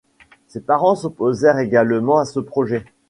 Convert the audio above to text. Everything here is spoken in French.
Ses parents s'opposèrent également à ce projet.